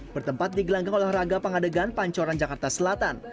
bertempat digelanggang olahraga pengadegan pancoran jakarta selatan